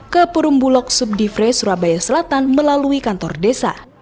ke perumbulok subdivre surabaya selatan melalui kantor desa